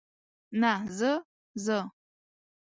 نه، زه، زه.